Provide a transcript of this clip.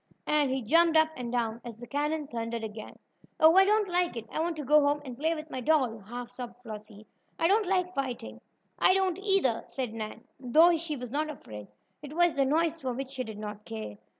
and he jumped up and down as the cannon thundered again. "Oh, I don't like it! I want to go home and play with my doll!" half sobbed Flossie. "I don't like fighting." "And I don't, either," said Nan, though she was not afraid. It was the noise for which she did not care.